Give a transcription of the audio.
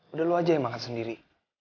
udah lo aja yang makan sendiri